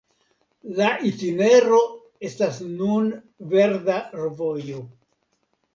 La itinero estas nun verda vojo.